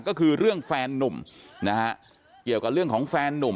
ก็คือเรื่องแฟนนุ่มนะฮะเกี่ยวกับเรื่องของแฟนนุ่ม